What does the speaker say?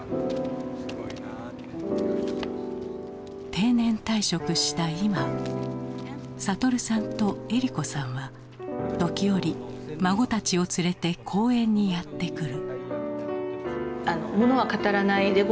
定年退職した今悟さんとえり子さんは時折孫たちを連れて公園にやって来る。